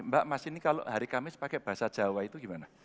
mbak mas ini kalau hari kamis pakai bahasa jawa itu gimana